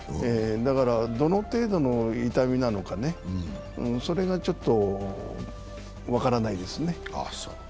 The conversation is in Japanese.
どの程度の痛みなのか、それがちょっと分からないですね。